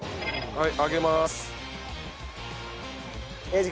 はい。